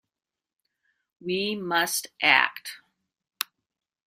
We must act.